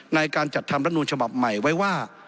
ในการจัดทำรัฐนูลฉบับใหม่ไว้ว่า